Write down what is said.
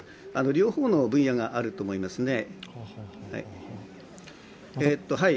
両方の分野があると思いますね。